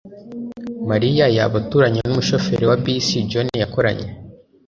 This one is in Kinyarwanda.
Mariya yaba aturanye numushoferi wa bisi John yakoranye?